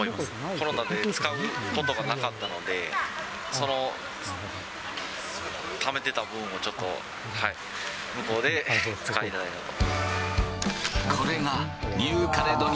コロナで使うことがなかったので、そのためてたぶんをちょっと、向こうで使いたいなと。